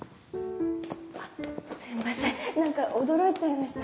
あっすいません何か驚いちゃいました。